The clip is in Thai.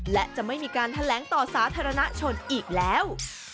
และจะไม่มีการแถลงต่อสาธารณชนอีกแล้ว